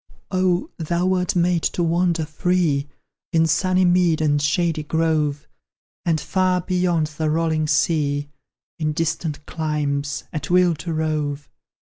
Oh, thou wert made to wander free In sunny mead and shady grove, And far beyond the rolling sea, In distant climes, at will to rove!